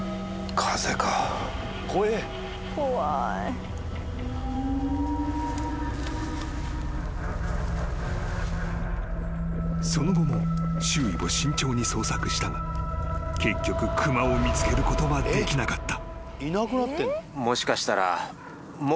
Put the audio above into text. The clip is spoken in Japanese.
本麒麟［その後も周囲を慎重に捜索したが結局熊を見つけることはできなかった］